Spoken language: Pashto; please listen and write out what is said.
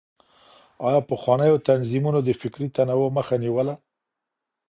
آيا پخوانيو تنظيمونو د فکري تنوع مخه نيوله؟